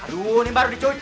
aduh nih baru dicuci